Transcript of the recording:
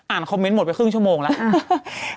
คอมเมนต์หมดไปครึ่งชั่วโมงแล้ว